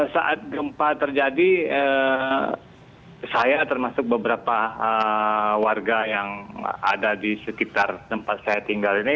saat gempa terjadi saya termasuk beberapa warga yang ada di sekitar tempat saya tinggal ini